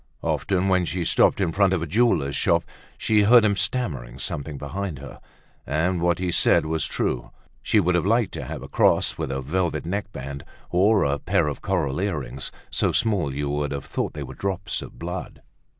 Often, when she stopped in front of a jeweler's shop, she heard him stammering something behind her. And what he said was true; she would have liked to have had a cross with a velvet neck band, or a pair of coral earrings, so small you would have thought they were drops of blood.